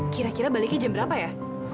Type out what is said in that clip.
kira kira baliknya jam berapa ya